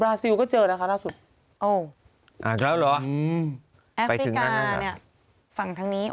แอฟริกาฝั่งทางนี้